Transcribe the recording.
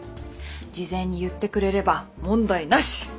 事前に言ってくれれば問題なし！